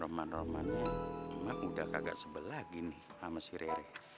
roman romannya cuma udah kagak sebelah gini sama si rere